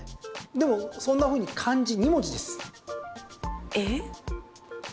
でも、そんなふうに漢字２文字です。えっ？